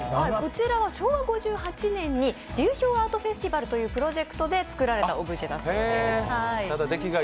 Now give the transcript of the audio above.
こちらは昭和５８年に流氷アートフェスティバルというプロジェクトで作られたオブジェだそうです。